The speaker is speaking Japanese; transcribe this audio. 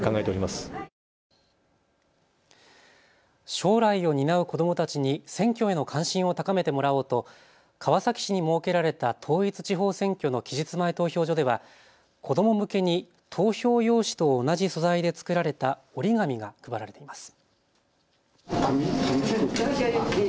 将来を担う子どもたちに選挙への関心を高めてもらおうと川崎市に設けられた統一地方選挙の期日前投票所では子ども向けに投票用紙と同じ素材で作られた折り紙が配られています。